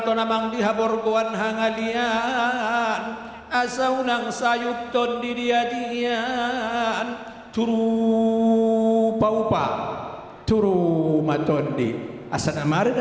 tentang prosesi ini saya ingin mengucapkan kepada anda